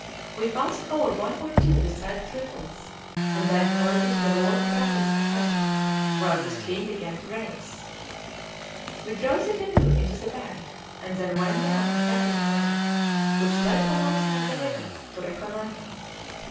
We passed over one or two decided ripples, and then heard the roar of rapids ahead, while the stream began to race. We drove the canoe into the bank, and then went down a tapir trail, which led alongside the river, to reconnoiter.